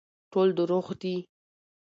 ټول دروغ دي